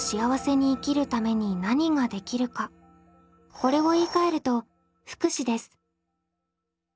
これを言いかえると福祉です。